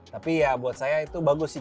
tapi ya buat saya itu bagus sih